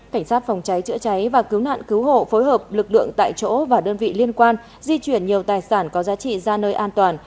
cảnh sát phòng cháy chữa cháy và cứu nạn cứu hộ phối hợp lực lượng tại chỗ và đơn vị liên quan di chuyển nhiều tài sản có giá trị ra nơi an toàn